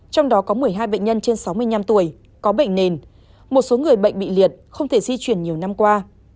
trong đó có một mươi hai bệnh nhân trên sáu mươi năm tuổi có bệnh nền một số người bệnh bị liệt không thể di chuyển nhiều năm qua